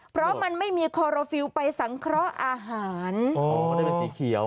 เพราะมันไม่มีคอโรฟิลไปสังเคราะห์อาหารอ๋อนั่นเป็นสีเขียว